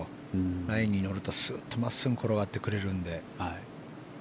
ラインに乗るとスーッと真っすぐ転がってくれるんで。